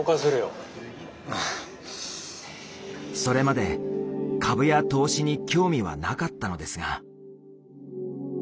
それまで株や投資に興味はなかったのですが。